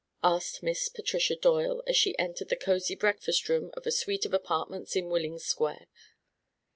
asked Miss Patricia Doyle, as she entered the cosy breakfast room of a suite of apartments in Willing Square.